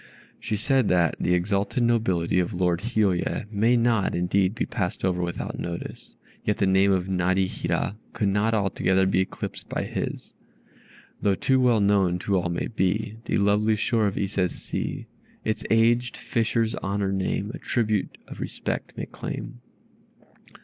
She said, that "The exalted nobility of Lord Hiôye may not, indeed, be passed over without notice, yet the name of Narihira could not altogether be eclipsed by his. Though too well known to all may be The lovely shore of Ise's sea; Its aged fisher's honored name, A tribute of respect may claim."